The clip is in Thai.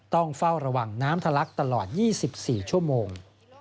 ต้องเฝ้าระวังน้ำทะลักตลอด๒๔ชั่วโมง